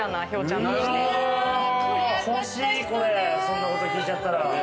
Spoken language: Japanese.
そんなこと聞いちゃったら。